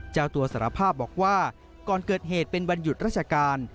เจ้าตัวสารภาพบอกว่าก่อนเกิดเหตุเป็นวันหยุดราชการ